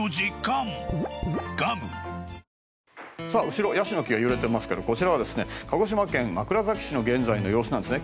後ろヤシの木が揺れてますけどこちらは鹿児島県枕崎市の現在の様子です。